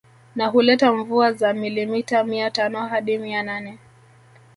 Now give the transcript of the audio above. Na huleta mvua za milimita mia tano hadi mia nane